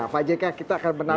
pak jk kita akan menarik